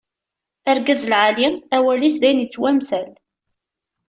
Argaz lɛali, awal-is dayem ittwamsal.